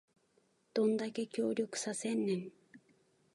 どんだけ協力させんねん